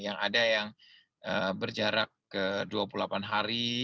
yang ada yang berjarak ke dua puluh delapan hari